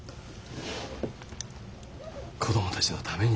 子供たちのために。